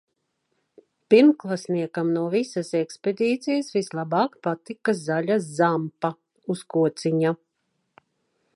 Pirmklasniekam no visas ekspedīcijas vislabāk patika zaļa "zampa" uz kociņa.